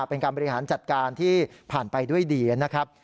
เป็นการบริหารจัดการที่ผ่านไปด้วยดีนะครับ